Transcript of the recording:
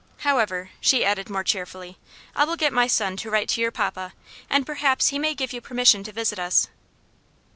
"However," she added more cheerfully, "I will get my son to write to your papa, and perhaps he may give you permission to visit us."